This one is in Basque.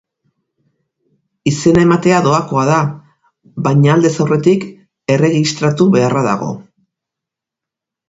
Izena ematea doakoa da, baina aldez aurretik erregistratu beharra dago.